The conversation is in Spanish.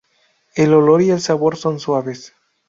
El olor y el sabor son suaves.